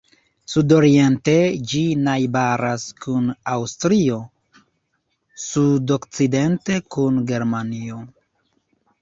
Sudoriente ĝi najbaras kun Aŭstrio, sudokcidente kun Germanio.